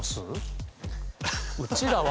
うちらは。